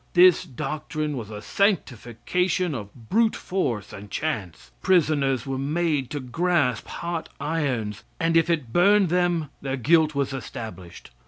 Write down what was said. This doctrine was a sanctification of brute force and chance. Prisoners were made to grasp hot irons, and if it burned them their guilt was established.